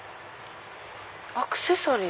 アクセサリー？